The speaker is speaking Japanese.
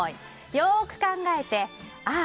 よく考えてああ